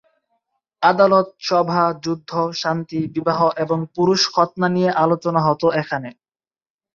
আদালত, সভা, যুদ্ধ, শান্তি, বিবাহ এবং পুরুষ খৎনা নিয়ে আলোচনা হতো এখানে।